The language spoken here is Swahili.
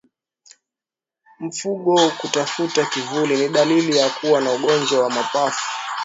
Mfugo kutafuta kivuli ni dalili ya kuwa na ugonjwa wa mapafu